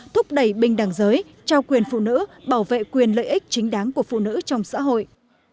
thúc đẩy bình đẳng giới trao quyền phụ nữ bảo vệ quyền lợi ích chính đáng của phụ nữ trong xã hội